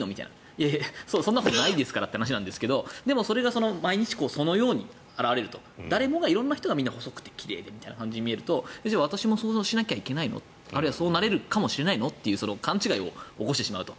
いやいやそんなことないですからという話ですが、でも毎日現れると誰もが色んな人がみんな細くて奇麗みたいな感じに見えると私もそうしなきゃいけないのあるいはそうなれるかもしれないの？という勘違いを起こしてしまうと。